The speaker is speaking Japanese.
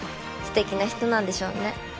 すてきな人なんでしょうね。